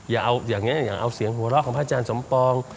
อย่าเอาอย่างนี้อย่าเอาเสียงหัวเราะของพระอาจารย์สมปอง